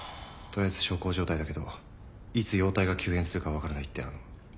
取りあえず小康状態だけどいつ容体が急変するか分からないってあの。